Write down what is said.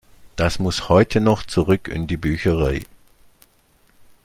Das muss heute noch zurück in die Bücherei.